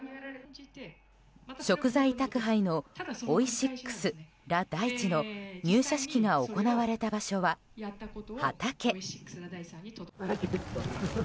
食材宅配のオイシックス・ラ・大地の入社式が行われた場所は、畑。